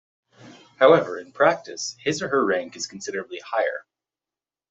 However, in practice, his or her rank is considerably higher.